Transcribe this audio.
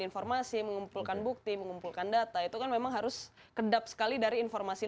informasi mengumpulkan bukti mengumpulkan data itu kan memang harus kedap sekali dari informasi